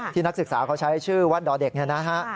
ที่นักศึกษาเขาใช้ชื่อวัดดเด็กนะฮะ